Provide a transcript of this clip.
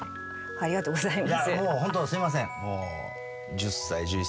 「ありがとうございます」